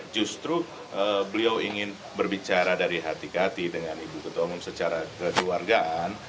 justru beliau ingin berbicara dari hati hati dengan ibu ketua umum secara kekeluargaan